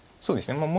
そうですね。